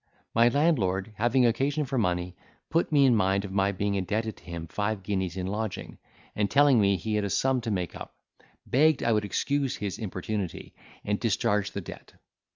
My landlord, having occasion for money, put me in mind of my being indebted to him five guineas in lodging; and, telling me he had a sum to make up, begged I would excuse his importunity, and discharge the debt.